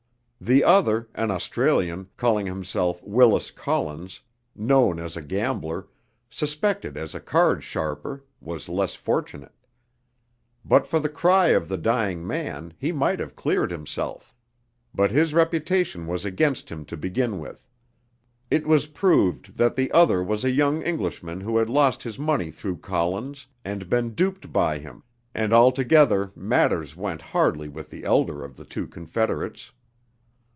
The other, an Australian, calling himself Willis Collins, known as a gambler, suspected as a card "sharper," was less fortunate. But for the cry of the dying man he might have cleared himself; but his reputation was against him to begin with; it was proved that the other was a young Englishman who had lost his money through Collins, and been duped by him, and altogether matters went hardly with the elder of the two confederates.